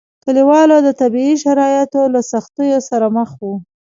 کلیوالو د طبیعي شرایطو له سختیو سره مخ وو.